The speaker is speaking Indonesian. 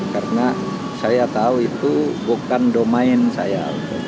karena saya tahu itu bukan domain saya